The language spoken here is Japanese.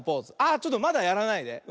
あちょっとまだやらないで。